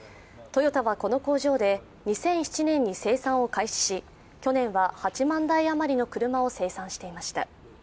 トヨタはこの工場で２００７年に生産を開始し去年は８万台あまりの車を生産していました。